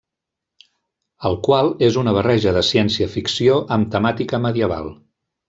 El qual és una barreja de ciència-ficció amb temàtica medieval.